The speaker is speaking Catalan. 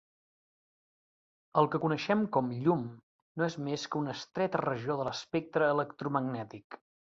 El que coneixem com "llum" no és més que una estreta regió de l'espectre electromagnètic.